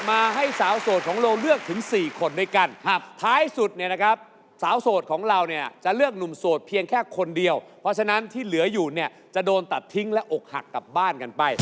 มาให้สาวโสดของเราเลือกถึงสี่คนในกัน